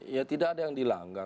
ya tidak ada yang dilanggar